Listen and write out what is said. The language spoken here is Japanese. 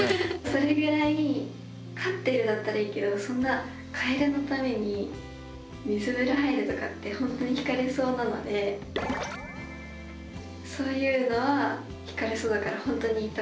それぐらい飼ってるだったらいいけどそんなカエルのために水風呂入るとかって本当にひかれそうなのでそういうのはひかれそうだから本当に言ったことがなくって。